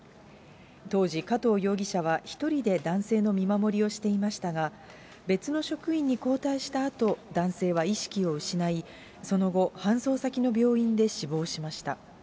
当時、加藤容疑者は１人で男性の見守りをしていましたが、別の職員に交代したあと、男性は意識を失い、その後、搬送先の病院で死亡しました。